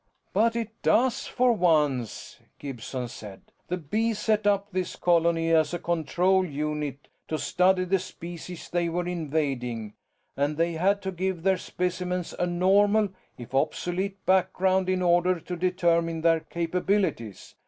"But it does, for once," Gibson said. "The Bees set up this colony as a control unit to study the species they were invading, and they had to give their specimens a normal if obsolete background in order to determine their capabilities.